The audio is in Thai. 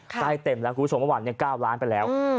ใกล้เต็มแล้วคุณผู้ชมว่าวันนี้๙ล้านไปแล้ว